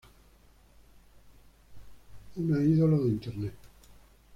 Una idol de internet.